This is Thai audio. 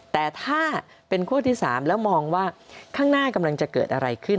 แต่ถ้าเป็นขั้วที่๓แล้วมองว่าข้างหน้ากำลังจะเกิดอะไรขึ้น